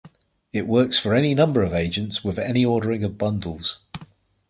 It works for any number of agents with any ordering of bundles.